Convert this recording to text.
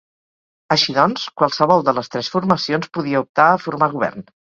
Així doncs, qualsevol de les tres formacions podia optar a formar govern.